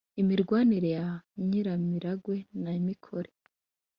imirwanire ya nyiramiragwe na mikore,